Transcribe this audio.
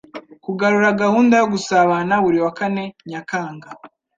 Kugarura gahunda yo gusabana buri wa Kane Nyakanga.